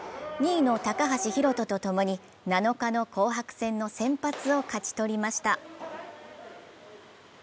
２位の高橋宏斗とともに７日の紅白戦の先発を勝ち取りました。